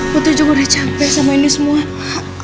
putri juga udah capek sama ini semua